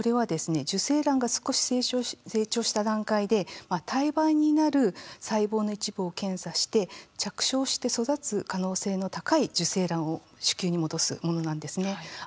受精卵が少し成長した段階で胎盤になる細胞の一部を検査して着床して育つ可能性の高い受精卵を子宮に戻すものなんですね。